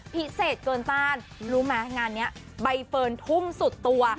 พิเศษเกินต้านรู้ไหมงานนี้ใบเฟิร์นทุ่มสุดตัว